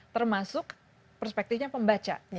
termasuk perspektifnya pembaca